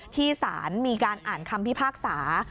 ที่สารมีการอ่านคำพิพากษา